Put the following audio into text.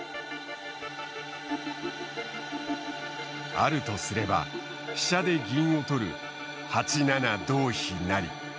あるとすれば飛車で銀を取る８七同飛成。